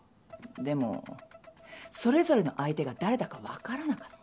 でもそれぞれの相手が誰だかわからなかった。